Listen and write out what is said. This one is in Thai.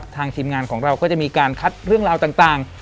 ทีมงานของเราก็จะมีการคัดเรื่องราวต่าง